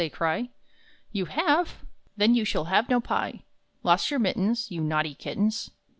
they cry. "You have? Then you shall have no pie! Lost your mittens? You naughty kittens!"